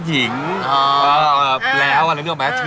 เปรี้ยวอะไรด้วยไหม